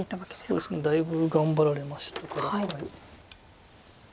そうですねだいぶ頑張られましたから。